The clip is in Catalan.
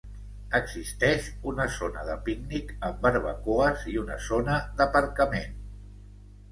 Existeix una zona de pícnic amb barbacoes i una zona d'aparcament.